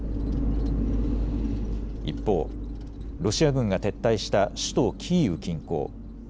一方、ロシア軍が撤退した首都キーウ近郊。